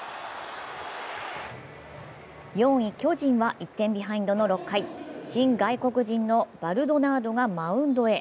４位・巨人は１点ビハインドの６回、新外国人のバルドナードがマウンドへ。